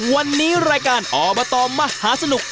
วันนี้รายการอบตมหาสนุก